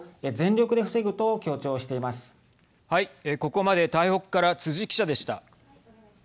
ここまで台北から逵記者でした。